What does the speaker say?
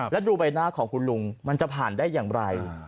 แล้วดูใบหน้าของคุณลุงมันจะผ่านได้อย่างไร